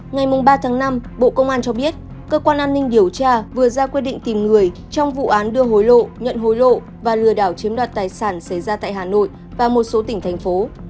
ngày ba tháng năm bộ công an cho biết cơ quan an ninh điều tra vừa ra quyết định tìm người trong vụ án đưa hối lộ nhận hối lộ và lừa đảo chiếm đoạt tài sản xảy ra tại hà nội và một số tỉnh thành phố